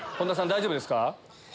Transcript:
大丈夫ですか？